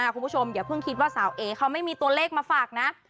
คุณผู้ชมอย่าเพิ่งคิดว่าสาวเอ๋เขาไม่มีตัวเลขมาฝากนะ